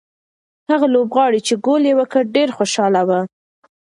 هغه لوبغاړی چې ګول یې وکړ ډېر خوشاله و.